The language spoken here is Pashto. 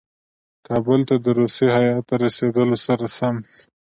کابل ته د روسي هیات رسېدلو سره سم.